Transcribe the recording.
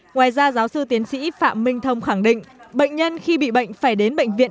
ngoài ra giáo sư tiến sĩ phạm minh thông khẳng định bệnh nhân khi bị bệnh phải đến bệnh viện